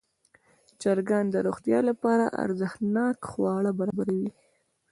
چرګان د روغتیا لپاره ارزښتناک خواړه برابروي.